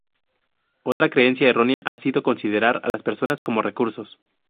Otra creencia errónea ha sido considerar a las personas como recursos.